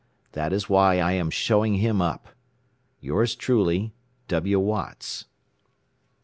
That is why I am showing him up. "Yours truly, "W. Watts."